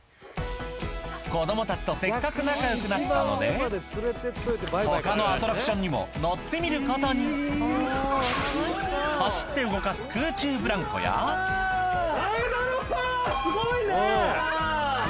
子どもたちとせっかく仲良くなったので他のアトラクションにも乗ってみることに走って動かす空中ブランコや前田のパワーすごいね！